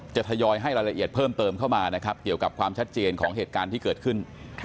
ทยอยให้รายละเอียดเพิ่มเติมเข้ามานะครับเกี่ยวกับความชัดเจนของเหตุการณ์ที่เกิดขึ้น